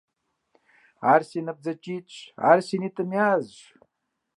Ар си набдзэкӀитӀщ, ар си нитӀым язщ.